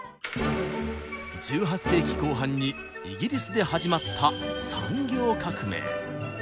１８世紀後半にイギリスで始まった産業革命。